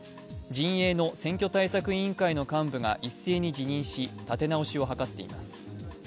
陣営の選挙対策委員会の幹部が一斉に辞任し、立て直しを図っています。